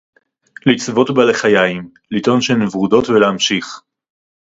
לצבוט בלחיים, לטעון שהן ורודות ולהמשיך